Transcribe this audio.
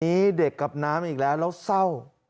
นี้เด็กกับน้ำอีกแล้วแล้วเศร้า